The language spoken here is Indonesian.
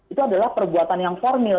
itu adalah perbuatan yang formil